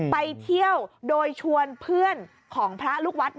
ไปเที่ยวโดยชวนเพื่อนของพระลูกวัด